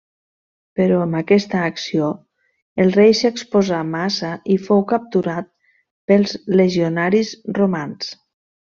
Però amb aquesta acció el rei s'exposà massa i fou capturat pels legionaris romans.